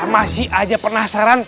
masih aja penasaran